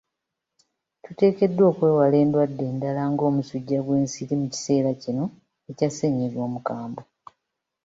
Tuteekeddwa okwewala endwadde endala nga omusujja gw'ensiri mu kiseera kino ekya ssennyiga omukambwe.